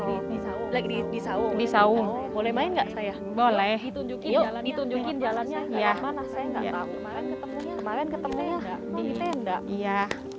di situ lewat situ ya saung di saung boleh main nggak saya boleh ditunjukin jalannya